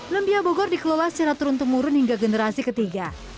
lumpia bogor dikelola secara turun temurun hingga generasi ketiga